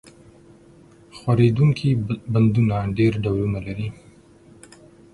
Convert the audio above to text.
ښورېدونکي بندونه ډېر ډولونه لري.